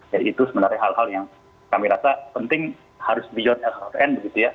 jadi itu sebenarnya hal hal yang kami rasa penting harus beyond lkpn begitu ya